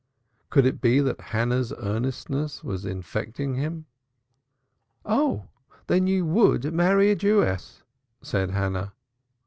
Could it be that Hannah's earnestness was infecting him? "Oh, then you would marry a Jewess!" said Hannah.